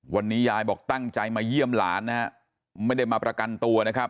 วันนี้ยายบอกตั้งใจมาเยี่ยมหลานนะฮะไม่ได้มาประกันตัวนะครับ